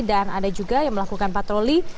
dan ada juga yang melakukan patroli